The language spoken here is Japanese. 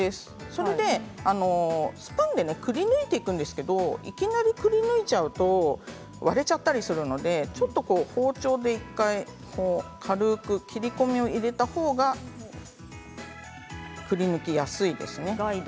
それでスプーンでくりぬいていくんですけれどいきなり、くりぬいたら割れちゃったりするのでちょっと包丁で１回軽く切り込みを入れたほうが切り込みやすいですね。